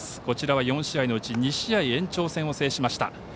こちらは４試合のうち２試合延長戦を制しました。